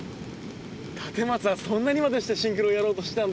立松はそんなにまでしてシンクロをやろうとしてたんですか？